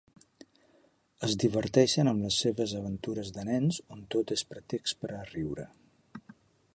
Es diverteixen amb les seves aventures de nens, on tot és pretext per a riure.